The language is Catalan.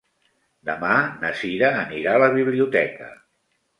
Demà na Cira anirà a la biblioteca.